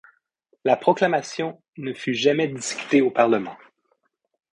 La Proclamation ne fut jamais discutée au parlement.